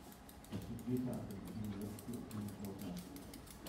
Er studierte an der University of Minnesota.